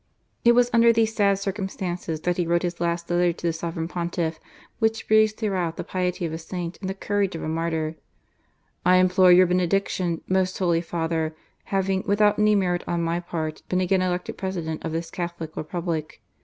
295 It was under these sad circumstances that he wrote his last letter to the Sovereign Pontiff, which breathes throughout the piety of a saint and the courage of a martyr :'* I implore your benediction,, most Holy Father, having, without any merit on my part, been again elected President of this Catholic Republic.